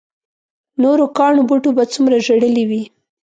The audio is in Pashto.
نورو کاڼو بوټو به څومره ژړلي وي.